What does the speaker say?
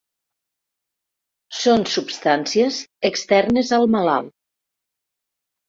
Són substàncies externes al malalt.